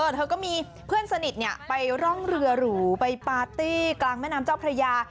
เธอก็มีเพื่อนสนิทไปร่องเรือหรูไปปาร์ตี้กลางแม่น้ำเจ้าพระยา